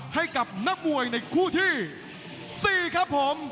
ให้กับนักมวยในคู่ที่๔ครับผม